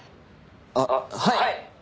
あっはい！